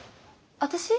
私？